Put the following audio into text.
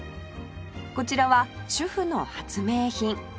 こちらは主婦の発明品